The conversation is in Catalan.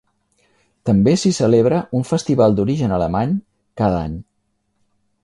També s'hi celebra un festival d'origen alemany cada any.